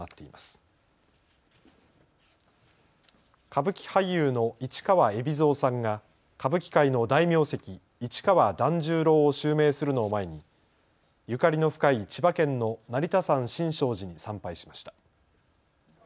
歌舞伎俳優の市川海老蔵さんが歌舞伎界の大名跡、市川團十郎を襲名するのを前にゆかりの深い千葉県の成田山新勝寺に参拝しました。